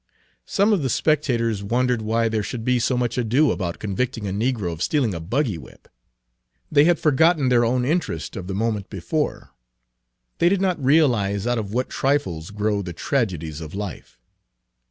Page 307 Some of the spectators wondered why there should be so much ado about convicting a negro of stealing a buggy whip. They had forgotten their own interest of the moment before. They did not realize out of what trifles grow the tragedies of life.